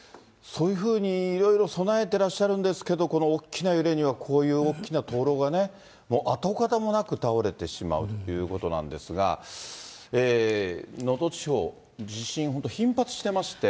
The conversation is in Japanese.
そういうふうにいろいろ備えてらっしゃるんですけれども、この大きな揺れには、こういう大きな灯ろうがね、もう跡形もなく倒れてしまうということなんですが、能登地方、地震、本当、頻発してまして。